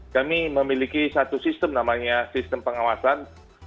kami memiliki satu sistem namanya sistem pengawasan